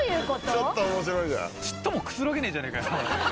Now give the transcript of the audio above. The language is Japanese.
ちっともくつろげねぇじゃねぇか。